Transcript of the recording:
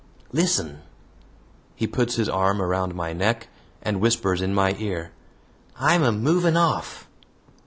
"Listen!" He puts his arm around my neck and whispers in my ear, "I'm a MOVING OFF!"